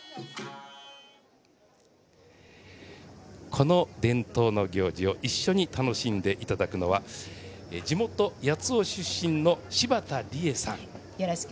この伝統の行事を一緒に楽しんでいただくのは地元・八尾出身の柴田理恵さん。